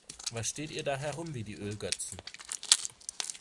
Was steht ihr da herum wie die Ölgötzen?